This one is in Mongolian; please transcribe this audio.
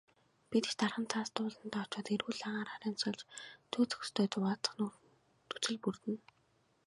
Бид ч дархан цаазат ууландаа очоод эрүүл агаараар амьсгалж, зүй зохистой зугаалах нөхцөл бүрдэнэ.